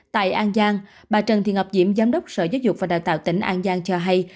tại an giang bà trần thị ngọc diễm giám đốc sở giáo dục và đào tạo tỉnh an giang cho hay